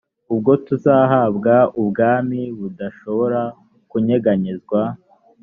ubwo tuzahabwa ubwami budashobora kunyeganyezwa